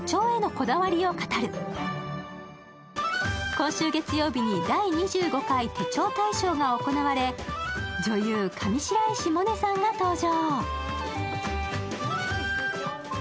今週月曜日に第２５回手帳大賞が行われ、女優、上白石萌音さんが登場。